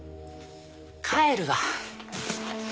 帰るわ。